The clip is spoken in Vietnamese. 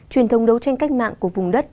truyền thông đấu tranh cách mạng của vùng đất